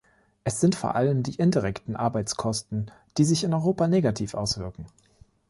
Es sind vor allem die indirekten Arbeitskosten, die sich in Europa negativ auswirken.